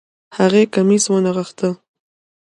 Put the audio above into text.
هغې کميس ونغښتۀ